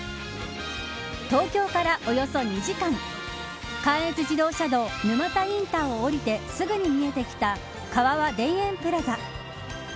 東京からおよそ２時間関越自動車道沼田インターを降りてすぐに見えてきた川場田園プラザ。